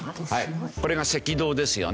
これが赤道ですよね。